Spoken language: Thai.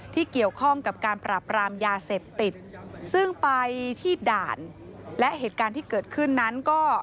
ที่เกี่ยวข้องกับการปราบรามยาเสพติดซึ่งไปที่ด่านและเหตุการณ์ที่เกิดขึ้นนั้นก็